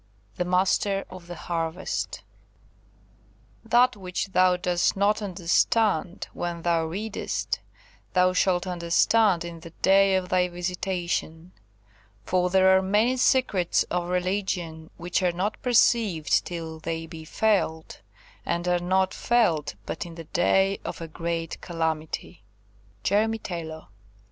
THE MASTER OF THE HARVEST "That which thou dost not understand when thou readest, thou shalt understand in the day of thy visitation; for there are many secrets of religion which are not perceived till they be felt, and are not felt but in the day of a great calamity."–JEREMY TAYLOR.